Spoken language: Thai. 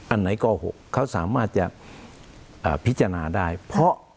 อันไหนโกหกเขาสามารถจะพิจารณาได้เพราะ